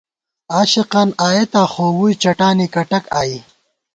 عاشقان آئېتا خو ، ووئی چَٹانی کٹَک آئی